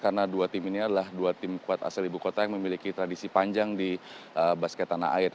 karena dua tim ini adalah dua tim kuat asal ibu kota yang memiliki tradisi panjang di basket tanah air